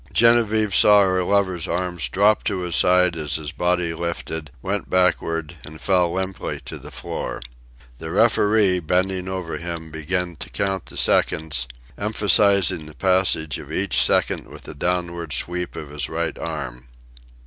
Genevieve saw her lover's arms drop to his sides as his body lifted, went backward, and fell limply to the floor. The referee, bending over him, began to count the seconds, emphasizing the passage of each second with a downward sweep of his right arm.